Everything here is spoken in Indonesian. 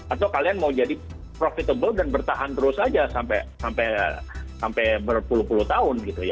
atau kalian mau jadi profitable dan bertahan terus saja sampai berpuluh puluh tahun gitu ya